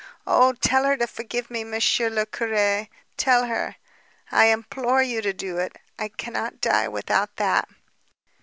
Oh, tell her to forgive me, Monsieur le Curé, tell her ... I implore you to do it. I cannot die without that...."